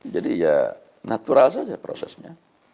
jadi ya natural saja prosesnya